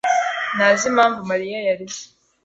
ntazi impamvu Mariya yarize.